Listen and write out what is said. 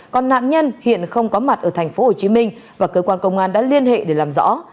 còn nạn nhân hiện không có mặt ở tp hcm và cơ quan công an đã liên hệ để làm rõ